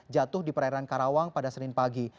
jatuh di perairan karawang pada senin pagi